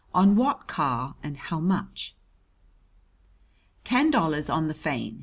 "On what car and how much?" "Ten dollars on the Fein.